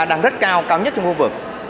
đang rất cao cao nhất trong khu vực